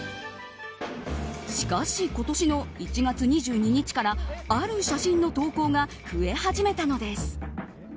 しかし、今年の１月２２日からある写真の投稿が増え始めたのです。